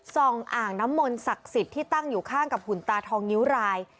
อ่างน้ำมนต์ศักดิ์สิทธิ์ที่ตั้งอยู่ข้างกับหุ่นตาทองนิ้วราย